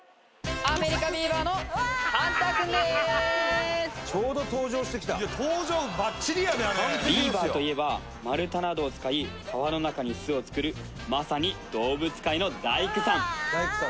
アメリカビーバーのハンターくんでーすビーバーといえば丸太などを使い川の中に巣を作るまさに動物界の大工さん